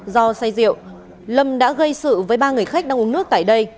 do say rượu lâm đã gây sự với ba người khách đang uống nước tại đây